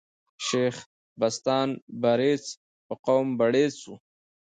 شېخ بستان برېڅ په قوم بړېڅ ؤ.